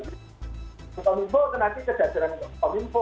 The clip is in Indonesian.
nko minfo kan nanti kejadian nko minfo